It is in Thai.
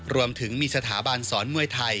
รวมถึงมีสถาบันสอนมวยไทย